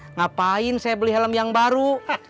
ngapain saya beli helm yang baru